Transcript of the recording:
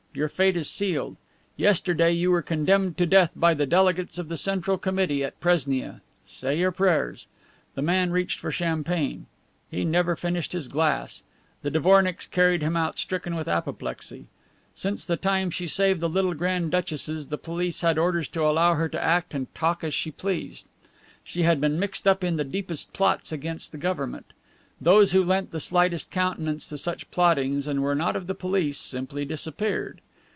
Your fate is sealed. Yesterday you were condemned to death by the delegates of the Central Committee at Presnia. Say your prayers." The man reached for champagne. He never finished his glass. The dvornicks carried him out stricken with apoplexy. Since the time she saved the little grand duchesses the police had orders to allow her to act and talk as she pleased. She had been mixed up in the deepest plots against the government. Those who lent the slightest countenance to such plottings and were not of the police simply disappeared.